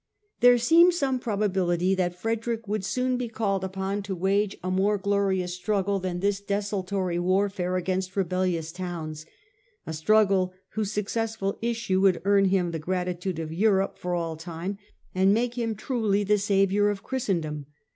There seemed some probability that Frederick would soon be called upon to wage a more glorious struggle than this desultory warfare against rebellious towns : a struggle whose successful issue would earn him the gratitude of Europe for all time and make him truly the Saviour of Christendom.